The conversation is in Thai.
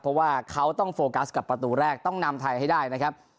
เพราะว่าเขาต้องโฟกัสกับประตูแรกต้องนำไทยให้ได้นะครับ